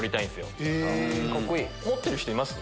持ってる人います？